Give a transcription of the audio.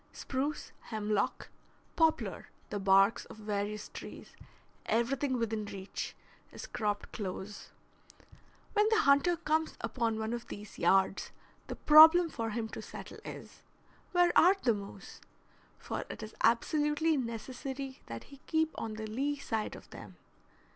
Spruce, hemlock, poplar, the barks of various trees, everything within reach, is cropped close. When the hunter comes upon one of these yards the problem for him to settle is, Where are the moose? for it is absolutely necessary that he keep on the lee side of them.